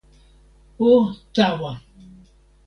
o tawa!